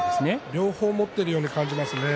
両方持ってるように感じますね。